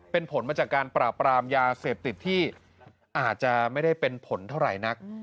เป็นผลมาจากการปราบปรามยาเสพติดที่อาจจะไม่ได้เป็นผลเท่าไหร่นัก